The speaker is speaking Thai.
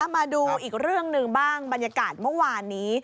มาดูอีกเรื่องหนึ่งบ้างบรรยากาศเมื่อวานนี้